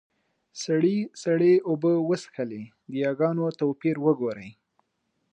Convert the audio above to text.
سړي سړې اوبۀ وڅښلې . د ياګانو توپير وګورئ!